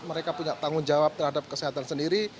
mereka punya tanggung jawab terhadap kesehatan sendiri